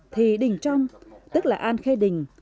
thì đình trong tức là an khê đình